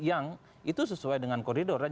yang itu sesuai dengan koridor dan